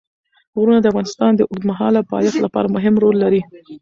غرونه د افغانستان د اوږدمهاله پایښت لپاره مهم رول لري.